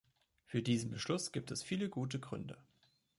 Für diesen Beschluss gibt es viele gute Gründe.